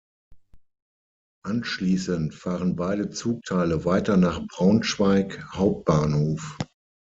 Anschließend fahren beide Zugteile weiter nach Braunschweig Hbf.